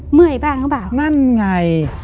เมื่อยบ้างหรือเปล่านั่นไง